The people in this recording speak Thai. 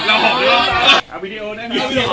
เอาวิดีโอได้ไหม